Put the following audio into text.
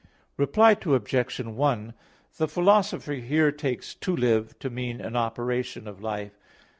Reply Obj. 1: The Philosopher here takes "to live" to mean an operation of life.